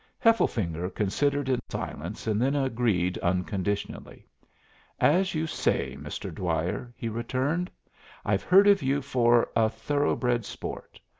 Hefflefinger considered in silence and then agreed unconditionally. "As you say, Mr. Dwyer," he returned. "I've heard of you for a thoroughbred sport.